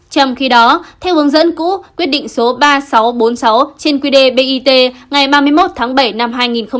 trong khi đó theo hướng dẫn cũ quyết định số ba nghìn sáu trăm bốn mươi sáu trên quy đề bit ngày ba mươi một tháng bảy năm hai nghìn một mươi bảy